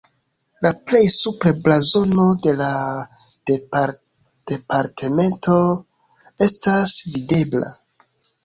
La plej supre blazono de la departemento estas videbla.